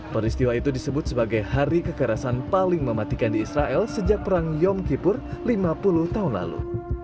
peristiwa itu disebut sebagai hari kekerasan paling mematikan di israel sejak perang yom kipur lima puluh tahun lalu